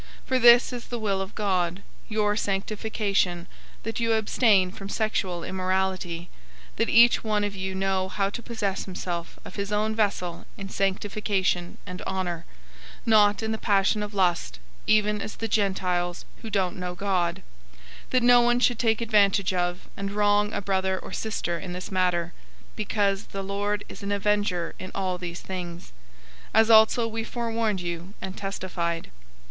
004:003 For this is the will of God: your sanctification, that you abstain from sexual immorality, 004:004 that each one of you know how to possess himself of his own vessel in sanctification and honor, 004:005 not in the passion of lust, even as the Gentiles who don't know God; 004:006 that no one should take advantage of and wrong a brother or sister in this matter; because the Lord is an avenger in all these things, as also we forewarned you and testified.